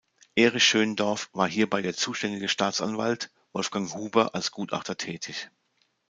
Erich Schöndorf war hierbei der zuständige Staatsanwalt; Wolfgang Huber als Gutachter tätig.